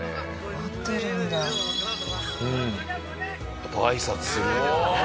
やっぱあいさつするんだね。